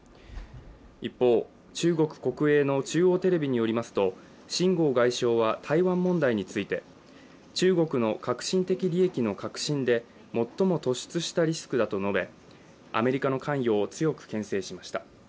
一方、中国国営の中央テレビによりますと秦剛外相は台湾問題について、中国の核心的利益の核心で最も突出したリスクだと述べ、アメリカの関与を強くけん制しました。